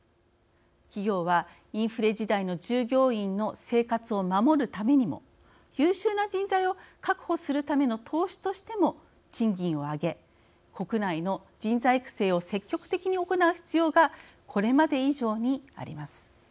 企業はインフレ時代の従業員の生活を守るためにも優秀な人材を確保するための投資としても賃金を上げ国内の人材育成を積極的に行う必要がこれまで以上にあります。